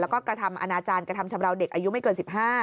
แล้วก็กระทำอนาจารย์กระทำชำราวเด็กอายุไม่เกิน๑๕